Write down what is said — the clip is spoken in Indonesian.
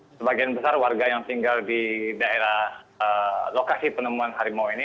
sebagian besar warga yang tinggal di daerah lokasi penemuan harimau ini